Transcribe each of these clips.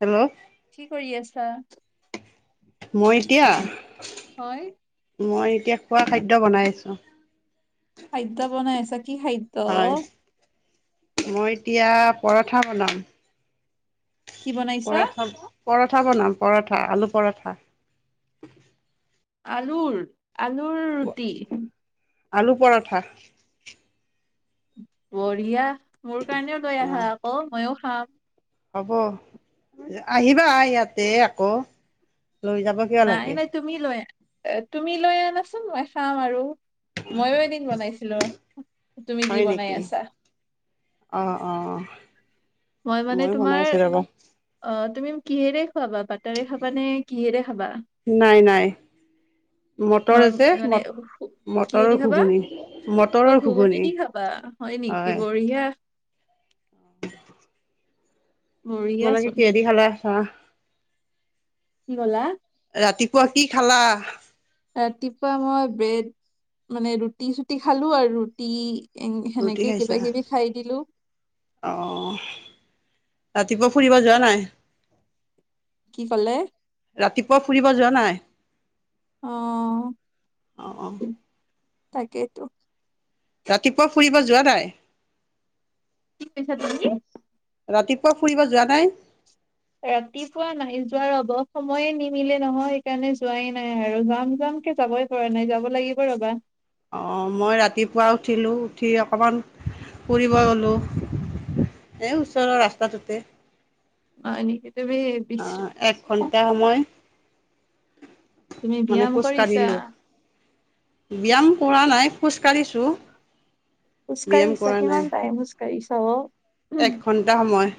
Hello কি কৰি আছা? মই এতিয়া। হয় মই এতিয়া খোৱা খাদ্য বনাই আছোঁ। খাদ্য বনাই আছা কি খাদ্ হয় মই এতিয়া পৰঠা বনাম। কি বনাইছা? পৰঠা পৰঠা বনাম, পৰঠা আলু পৰঠা। আলুৰ, আলুৰ ৰুটি? আলু পৰঠা। বঢ়িয়া মোৰ কাৰণেও লৈ অ আহা আকৌ ময়ো খাম। হ'ব আহিবা ইয়াতে আকৌ লৈ যাবা নাই নাই তুমি লৈ আহা। তুমি লৈ আনাচোন মই চাম আৰু। ময়ো এদিন বনাইছিলো তুমি যি হয় বনাই নেকি আছা। অ অ মই মানে ময়ো তোমাৰ বনাইছো ৰবা। অ তুমি কিহেৰে খুৱাবা বাটাৰে খাবা নে কিহেৰে খাবা? নাই নাই। মটৰ নৰ্ আছে মানে মট কিহেদি মটৰৰ খাবা ঘুগুনি অ মটৰৰ ঘুগুনি। দি খাবা হয় নিকি বঢ়িয়া [unintelligible] তোমালোকে বঢ়িয়াচোন কিহেদি খালা চাহ কি কলা ৰাতিপুৱা কি খালা ৰাতিপুৱা মই ব্ৰেড মানে ৰুটি চুটি খালো আৰু ৰুটি উম ৰুটি সেনেকে কিবা কিবি খাই দিলো অঁ ৰাতিপুৱা ফুৰিব যোৱা নাই কি কলে ৰাতিপুৱা ফুৰিব যোৱা নাই অ অ', অ', তাকেইতো ৰাতিপুৱা ফুৰিব যোৱা নাই কি কৈছা তুমি ৰাতিপুৱা ফুৰিব যোৱা নাই ৰাতিপুৱা নাই যোৱা ৰব সময়ে নিমিলে নহয় সেইকাৰণে যোৱাই নাই আৰু যাম যাম কে যাবই- পৰা নাই যাব লাগিব ৰবা অঁ মই ৰাতিপুৱা উঠিলোঁ উঠি অকণমান ফুৰিব গ'লোঁ এ ওচৰৰ ৰাস্তাটোতে অ এনেক অ এক ঘন্টা সময় তুমি মানে ব্যায়াম খোজ কৰিছা কাঢ়িলো ব্যায়াম কৰা নাই খোজ কাঢ়িছো খোজকাঢ়িছা কিমান টাইম খোজকাঢ়িছা অ উম, এক ঘণ্টা সময়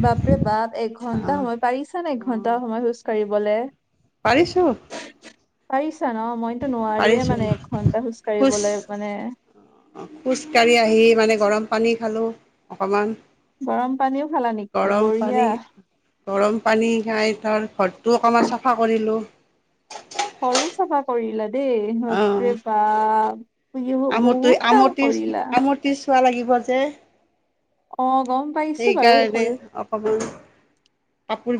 বাপৰে বাপ এঘন্টা অ', সময় পাৰিছা নে এঘন্টা সময় খোজ কাঢ়িবলে পাৰিছো পাৰিছা ন মইতো নোৱাৰোৱে পাৰিছোঁ। মানে এঘণ্টা খোজ কাঢ়িবলৈ মানে খোজকাঢ়ি আহি মানে গৰম পানী খালোঁ অকমান গৰম পানীও খালা নিকি পানী বঢ়িয়া- গৰম পানী খাই তাৰ ঘৰটোও অকমান চাফা কৰিলোঁ ঘৰু চাফা কৰিলা দেই বা অঁ প ৰে বা- ই বহুত কাম কৰিলা- পিছোৱা লাগিব যে- অ গম পাইছো বাৰু হল- হ'ব-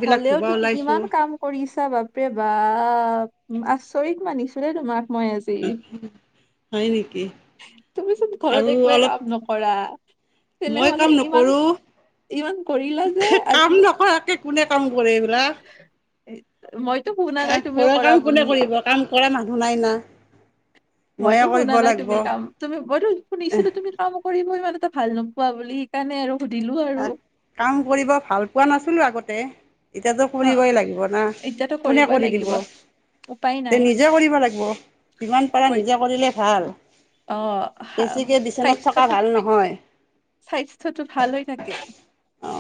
হ'লেও তুমি ইমান কাম- কৰিছা বাপৰে বাপ আচৰিত মানিছো দেই তোমাক মই এ- হয় নেকি- তুমিচোন আৰু ঘৰত একোৱে অলপ কাম নকৰা- মই তেনেহলে কাম ইমান নকৰো ইমান কৰিলা যে আজি কাম নকৰাকে- কোনে কাম কৰে এইবিলাক- মইতো শুনা এ নাই তুমিও ঘৰৰ কৰা কাম কোনে বুলি- কৰিব কাম কৰা মানুহ নাই না ময়ে মইতো কৰিব শুনা নাই লাগিব তুমি কাম তুমি মইতো শুনিছিলো তুমি- কাম কৰিব ইমান এটা ভাল নোপোৱা বুলি সেইকাৰণে আৰু সুধিলো আৰু- কাম কৰিব ভাল পোৱা নাছিলোঁ আগতে- এতিয়াতো অ কৰিবই লাগিব না এতিয়াতো কোনে কৰিবই কৰি লাগিব দিব- উপায় তে নাই নিজে কৰিব লাগিব যিমান পাৰা কৰি নিজে কৰিলে ভাল- অ হা- বেছিকে বিচনাত থকা স্বাস্থ্যটো ভাল নহয়- স্বাস্থ্যটো ভাল থাকে- অ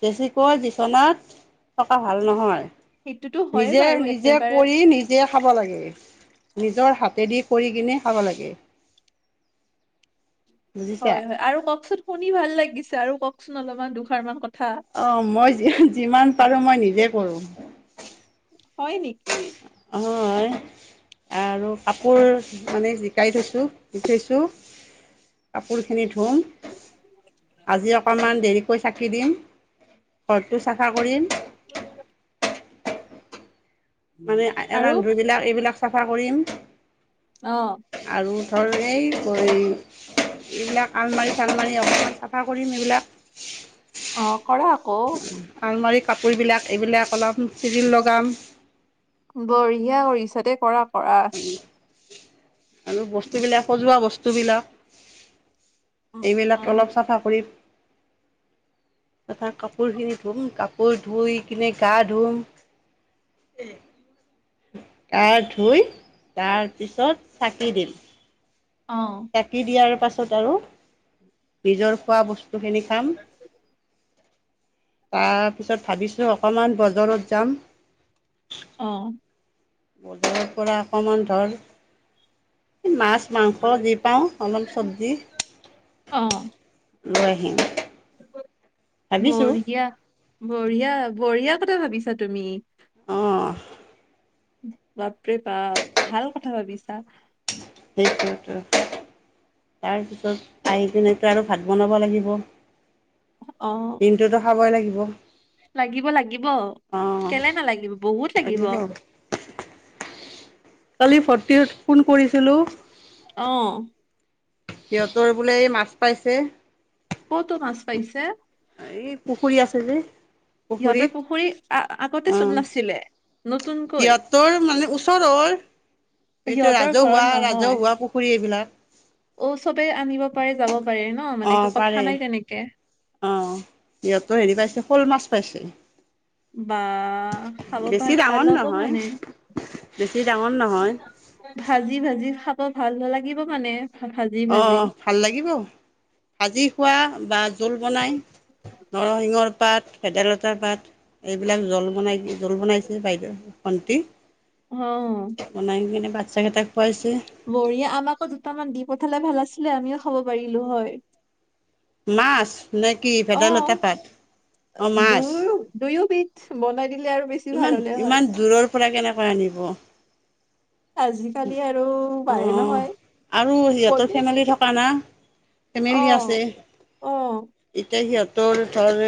বেছিকৈ বিচনাত [unintelligible] থকা ভাল নহয় সেইটোতো হয়ে নিজে বাৰু নিজে একেবাৰে কৰি নিজ- নিজে খাব লাগে নিজৰ হাতেদি কৰি কিনে খাব লাগে। বুজিছা হয় হয় আৰু কওঁকচোন শুনি ভাল লাগিছে আৰু কওঁকচোন অলপমান দুষাৰ মান কথা। অ মই যি যিমান পাৰো মই নিজে কৰো। হয় নেকি অ আৰু কাপোৰ মানে জিকাই থৈছোঁ শিকিছোঁ কাপোৰখিনি ধোম আজি অকণমান দেৰিকৈ চাকি দিম ঘৰটো চাফা কৰিম। উ মানে এলাহ ধুইবিলাক এইবিলাক চাফা কৰিম অ' আৰু ধৰ এই এইবিলাক আলমাৰি চালমাৰি অকণমান চাফা কৰিম এইবিলাক। অ কৰা আকৌ। আলমাৰি কাপোৰবিলাক এইবিলাক অলপ চিজিল লগাম। বঢ়িয়া কৰিছা দে কৰা কৰা। আৰু বস্তুবিলাক সজোৱা বস্তুবিলাক। উম, অ এইবিলাক অলপ চাফা কৰি তা পৰা কাপোৰ খিনি ধুম কাপোৰ ধুই কিনে গা ধুম গা ধুই তাৰ পিছত চাকি দিম অঁ চাকি দিয়াৰ পিছত আৰু নিজৰ খোৱা বস্তু বস্তু খিনি খাম পিছত ভাবিছোঁ অকণমান বজাৰত যাম। অ বাজাৰ পৰা অকণমান ধৰ মাছ মাংস যি পাওঁ অলপ চব্জি অ লৈ আহিম। ভাবিছোঁ বঢ়িয়া বঢ়িয়া বঢ়িয়াৰ কথা ভাবিছা তুমি। অ বাপৰে বাপ ভাল কথা ভাবিছা। সেইটোৱেতো তাৰপিছত আহি কিনেতো আৰু ভাত বনাব লাগিব। অ দিনটোতো খাবই লাগিব। লাগিব লাগিব অঁ কেলে নালাগিব বহুত লাগিব। কালি ভৰটি ফোন কৰিছিলোঁ। অ'। সিহঁতৰ বোলে মাছ পাইছে। ক'তো মাছ পাইছে। এই পুখুৰী আছে যে। সিহঁতৰ পুখুৰীত পুখুৰী অঁ আগতেচোন নাছিলে নতুন সিহঁতৰ মানে ওচৰৰ এইটো সিহঁতৰ ৰাজহুৱা ঘৰত নহয়। ৰাজহুৱা পুখুৰী এইবিলাক অ চবে আনিব পাৰে যাব পাৰে ন মানে একো কথা নাই তেনেকে। অ সিহঁতো হেৰি পাইছে শ'ল মাছ পাইছে। বা খাব বেছি পাৰ ডাঙৰ ভাল হব নহয় মানে। বেছি ডাঙৰ নহয়। ভাজি ভাজি খাব ভাল ন লাগিব মানে। ভা- ভাজি ভাজি। অ' ভাল লাগিব ভাজি খোৱা বা জোল বনাই। নৰসিংহৰ পাত ভেদাইতা পাত। এইবিলাক জল বনাই জোল বনাইছে বাইদেউ ভন্তি অ' বনাই কিনে বাচ্ছা কেইটাক খুৱাইছে বৰিীয়ে আমাকো দুটামান দি পঠালে ভাল আছিলে আমিও খাব পাৰিলো হয়। মাছ নে কি অ ভেদাইলতা পাত অঁ মাছ দুয়ো দুয়ো বিধ বনাই দিলে আৰু বেছি ভাল ইমান হলে হয় ইমান দূৰৰ পৰা কেনেকৈ আনিব। অ আৰু আজিকালি আৰু পাৰে নহয় সিহঁতৰ কলো ফেমিলি থকা না। অ ফেমিলি আছে। অ এতিয়া সিহঁতৰ ধৰ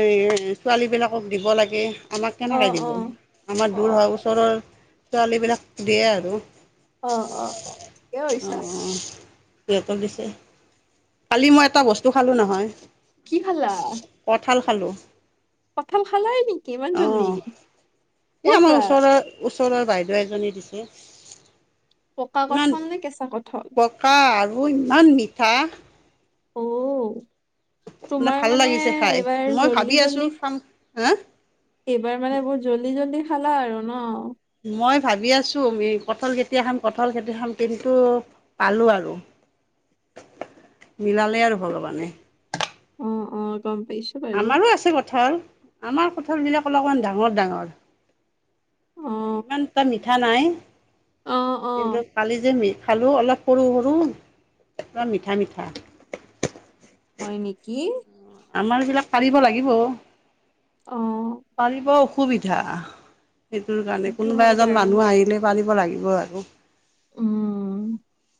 ছোৱালীবিলাকক দিব লাগে আমাক অ অ কেনেকৈ দিব। আমাৰ অ দূৰ হয় ওচৰৰ ছোৱালীবিলাক দিয়ে আৰু। অ অ ঠিকে কৈছা সিহঁতৰ দিছে কালি মই এটা বস্তু খালো নহয়! কি খালা? কঁঠাল খালোঁ। কঁঠাল খালে নেকি ইমান অঁ জল্দি, এই ক'ৰ আমাৰ পৰা ওচৰৰ ওচৰৰ বাইদেউ এজনী দিছে। পকা কঠাল নে কেঁচা কঠাল। কাহ আৰু ইমান মিঠা। অ! তোমাৰ ভাল মানে লাগিছে খাই এইবাৰ মই ভাবি আছোঁ জল্দি-জল্দি খাম হা এইবাৰ মানে বহুত জল্দি-জল্দি খালা আৰু ন। মই ভাবি আছোঁ কঠল কেতিয়া খাম, কঠল খেতি খাম কিন্তু পালোঁ আৰু। মিলালে আৰু ভগৱানে। অঁ-অঁ! গম পাইছ আমাৰো আছে কঁঠাল আমাৰ কঁঠালবিলাক অলপমান ডাঙৰ-ডাঙৰ। অ', ইমান এটা মিঠা নাই। অ', অ', কিন্তু কালি যে মে খালোঁ অলপ সৰু-সৰু অকমান মিঠা-মিঠা। হয় নেকি? আমাৰ বিলাক পাৰিব লাগিব। অ', পাৰিব অসুবিধা। সেইটোৰ কাৰণে এইটো কোনোবা হয় এজন বাৰু। মানুহ আহিলে পাৰিব লাগিব আৰু। উম!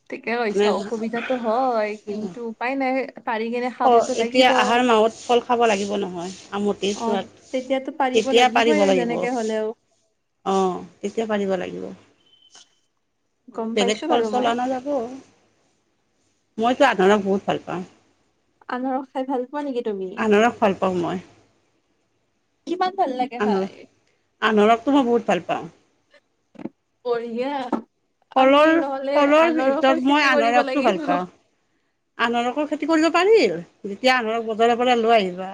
ঠিকে মানে কৈছা। অসুবিধাতো হয় কিন্তু উপায় নাই। পাৰি গিনে ফ এতিয়া আহাৰ মাহত ফল খাব লাগিব নহয় আমতে অ', চোৱাত। তেতিয়াতো পাৰিব তেতিয়া পাৰিব লাগিবই লাগিব যেনেকে হ'লেও। অঁ! তেতিয়া পাৰিব লাগিব। গম বেলেগ পাইছো বাৰু ফল-চল মই, অনা যাব। [unintelligible] মইতো আনাৰসক বহুত ভাল পাওঁ। আনাৰস খাই ভাল খোৱা নেকি তুমি? আনাৰস ভাল পাওঁ মই কিমান ভাল লাগে আনাৰস খাই? আনাৰসটো মই বহুত ভাল পাওঁ। বঢ়িয়া। আমি ফলৰ নহ'লে ফলৰ ভিতৰত আনাৰসৰ মই খেতি কৰিব আনাৰসটো ভাল লাগিব। পাওঁ আনাৰসৰ খেতি কৰিব পাৰি যেতিয়া আনাৰস বজাৰৰ পৰা লৈ আহিবা।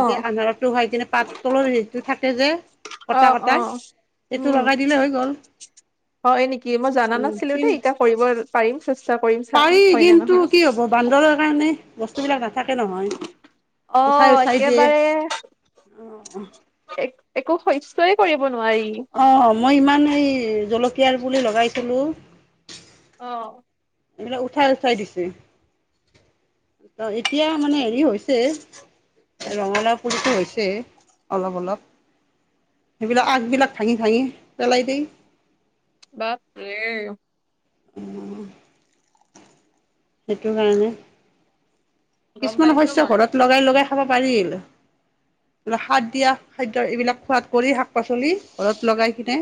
এতিয়া আনাৰসটো হয় কিনে পাত তলৰ হেৰিটো থাকে যে অ', কটা-কটা। অ', এইটো উম, লগাই দিলে হৈ গ'ল। হয় নেকি? মই জানা নাছিলো কি দেই এতিয়া কৰিব পাৰিম চেষ্টা কৰিম চাম পাৰি হয় নে কিন্তু কি নহয়? হ'ব বান্দৰৰ কাৰণে বস্তুবিলাক নাথাকে নহয়। অ! উঠাই উঠাই দিয়ে একেবাৰে এক একো শস্যই কৰিব নোৱাৰি। অঁ! মই ইমান এই জলকীয়াৰ পুলি লগাইছিলোঁ। অঁ! এইবিলাক উঠাই-উঠাই দিছে। অঁ এতিয়া মানে হেৰি হৈছে। ৰঙালাও পুলিটো হৈছে অলপ-অলপ। সেইবিলাক আগবিলাক ভাঙি-ভাঙি পেলাই দেই। বাপৰে। অঁ! সেইটো কাৰণে। গম কিছুমান পাইছো শস্য মই। ঘৰত লগাই-লগাই খাব পাৰি। সাৰ দিয়া খাদ্য এইবিলাক খোৱাদ কৰি শাক-পাচলি ঘৰত লগাই কিনে।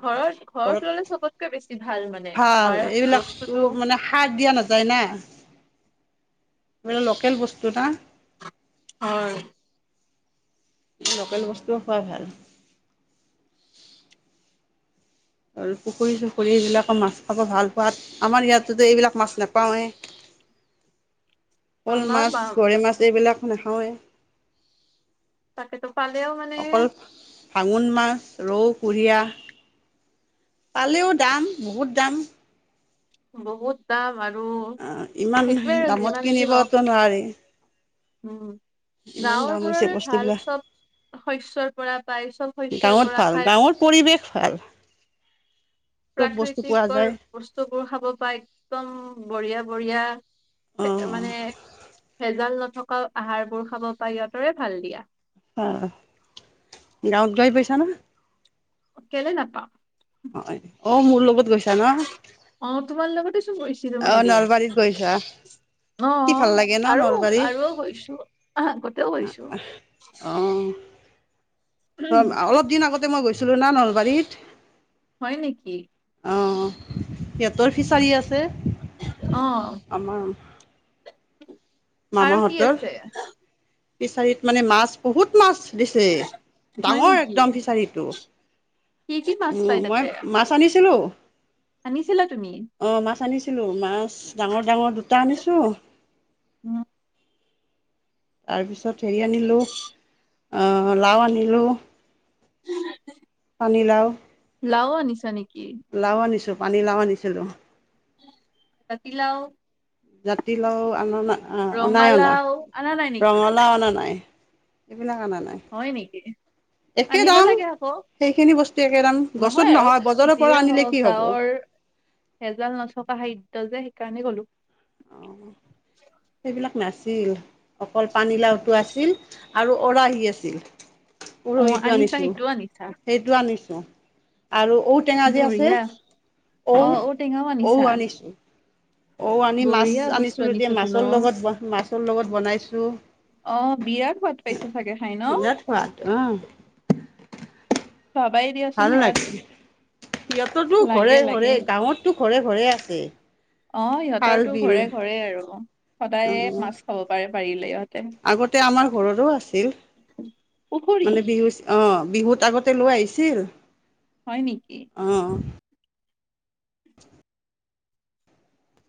ঘৰৰ-ঘৰত ঘৰত ল'লে চবতকে বেছি ভাল মানে। ভাল তোমাৰ এইবিলাকটো বস্তুটো মানে সাৰ দিয়া নাযায় না। সেইটো লোকেল বস্তু না? হয়। লোকেল বস্তুৱে খোৱাই ভাল। আৰু পুখুৰী-চুখুৰী এইবিলাকৰ মাছ খাব ভাল পোৱাত, আমাৰ ইয়াতেতো এইবিলাক মাছ নেপাওঁয়ে। শ'ল আমাৰ মাছ, বা গৰৈ মাছ এইবিলাকো নেখাওঁৱেই। তাকেতো। পালেও মানে অকল ভাগুন মাছ ৰৌ কুৰিয়া পালেও দাম বহুত দাম বহুত দাম আৰু অ' ইমান সেইটোৱে আৰু দামত যিমান দি হওঁক কিনিবতো নোৱাৰি উম ইমান দাম হৈছে গাঁৱবোৰৰে ভাল বস্তুবিলাক। চব শস্যৰ পৰা পায় চব শস্যৰ গাঁৱত পৰা ভাল খাই গাঁৱৰ পৰিৱেশ ভাল চব বস্তু পোৱা প্ৰাকৃতিকৰ যায়। বস্তুবোৰ খাব পাই একদম বঢ়িয়া বঢ়িয়া অ' মানে ভেজাল নথকা আহাৰবোৰ খাব পাই সিহঁতৰে ভাল দি অ গাঁৱত গৈ পাইছা না কেলে নাপাম হয় অ মোৰ লগত গৈছা না অ তোমাৰ লগতে চোন গৈছ অ নলবাৰীত গৈছা অ' কি ভাল লাগে ন আৰু নলবাৰী আৰু গৈছো আগতেও গৈছো। অ অলপ দিন আগতে মই গৈছিলো না নলবাৰীত হয় নেকি অ সিহঁতৰ ফিচাৰী আছে অ আমাৰ আৰু কি মামাহঁতৰ আছে? ফিচাৰিত মানে মাছ বহুত মাছ দিছে হয় ডাঙৰ নেকি? একদম ফিচাৰীটো কি কি মাছ উম পাই মই তাতে? মাছ আনিছিলো আনিছিলা তুমি? অ মাছ আনিছিলোঁ মাছ ডাঙৰ ডাঙৰ দুটা আনিছোঁ উম তাৰপিছত হেৰি আনিলোঁ আ লাও আনিলোঁ পানীলাও লাও আনিছা নেকি? লাও আনিছোঁ পানীলাও আনিছিলোঁ জাতিলাও জাতিলাও আনা নাই অ নাই অনা ৰঙালাও আনা নাই নেকি? ৰঙালাও অনা নাই এইবিলাক আনা নাই হয় নেকি একে আনিব দাম লাগে আকৌ সেইখিনি বস্তু একে দাম গছত নহয় আৰু বজাৰৰ পৰা যিয়ে আনিলে কি হওঁক হ'ব গাঁৱৰ ভেজাল নথকা খাদ্য যে সেইকাৰণে গলো। সেইবিলাক নাছিল। অকল পানীলাওটো আছিল আৰু অৰাহি আছিল। অ উৰহিটো আনিছা আনিছোঁ। সেইটোও আনিছা সেইটো আনিছোঁ আৰু ঔ টেঙা যে আছে, বঢ়িয়া অ ঔটেঙাও আনিছা ঔ-ঔ আনিছোঁ। ঔ আনি মাছ বঢ়িয়া বস্তু আনিছিলোঁ যে আনিছাচোন অ মাছৰ লগত, মাছৰ লগত বনাইছোঁ। অ', বিৰাট সোঁৱাদ পাইছে চাগে খাই ন? বিৰাট সোৱাদ অ'। ভাবাই দিয়া ভাললাগে। সিহঁতৰতো লাগে লাগে ঘৰে-ঘৰে গাঁৱতটো ঘৰে-ঘৰে আছে। অ', খাল সিহঁতৰতো বিল ঘৰে-ঘৰে আৰু সদায়ে অ' মাছ খাব পাৰে, পাৰিলে ইহ'ত। আগতে আমাৰ ঘৰতো আছিল। পুখুৰী মানে বিহু অ', বিহুত আগতে লৈ আহিছিল। হয় নেকি? অ'।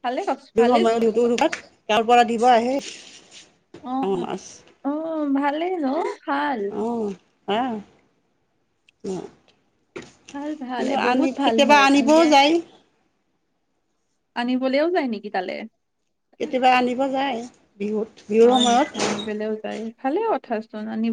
ভালে ক বিহুৰ ভালেচোন সময়ত [unintelligible] তাৰ পৰা দিব আহে, অ ডাঙৰ অ মাছ। অ', ভালেই ন, ভাল? অ', অ'। ভাল ভাল কিন্তু, এ আনি বহুত ভাল কেতিয়াবা হয় আনিবও এনেকে যায়। আনিবলেও যায় নেকি তালে? কেতিয়াবা আনিব যায় বিহুত, বিহুৰ সময়ত। দেউতাই। ভালে কথাচোন আনিব